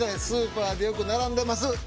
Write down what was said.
スーパーでよく並んでます